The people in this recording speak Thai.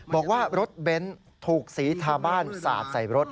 บอกว่ารถเบนท์ถูกสีทาบ้านสาดใส่รถ